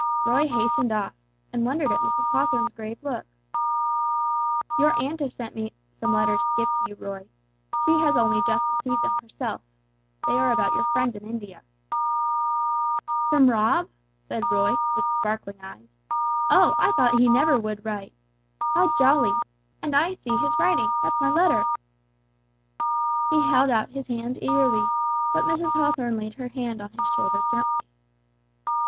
Roy hastened off, and wondered at Mrs. Hawthorn's grave look. "Your aunt has sent me some letters to give you, Roy. She has only just received them herself. They are about your friend in India." "From Rob?" said Roy, with sparkling eyes. "Oh, I thought he never would write. How jolly! And I see his writing, that's my letter." He held out his hand eagerly but Mrs. Hawthorn laid her hand on his shoulder gently.